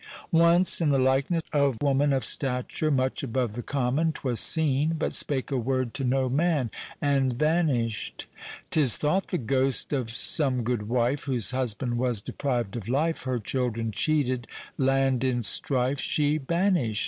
Once in the likenesse of woman, Of stature much above the common, 'Twas seene, but spak a word to no man, And vanish'd. 'Tis thought the ghost of some good wife Whose husband was depriv'd of life, Her children cheated, land in strife She banist.